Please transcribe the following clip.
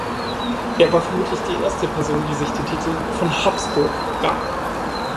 Er war vermutlich die erste Person, die sich den Titel "von Habsburg" gab.